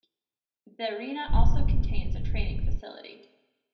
The arena also contains a training facility.